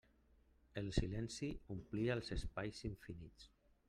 El silenci omplia els espais infinits.